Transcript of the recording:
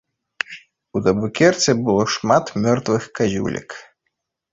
У табакерцы было шмат мёртвых казюлек.